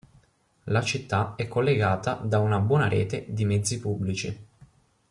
La città è collegata da una buona rete di mezzi pubblici.